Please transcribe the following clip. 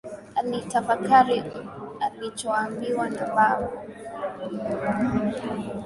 Alitafakari alichoambiwa na babu